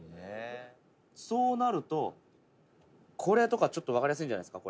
「そうなるとこれとかわかりやすいんじゃないですか？